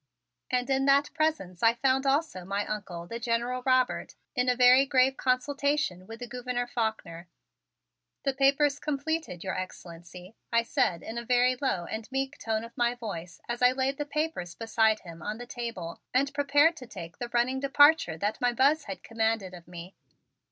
And in that presence I found also my Uncle, the General Robert, in a very grave consultation with the Gouverneur Faulkner. "The papers completed, Your Excellency," I said in a very low and meek tone of my voice as I laid the papers beside him on the table and prepared to take the running departure that my Buzz had commanded of me.